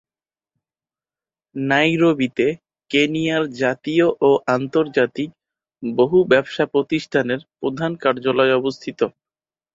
নাইরোবিতে কেনিয়ার জাতীয় ও আন্তর্জাতিক বহু ব্যবসা প্রতিষ্ঠানের প্রধান কার্যালয় অবস্থিত।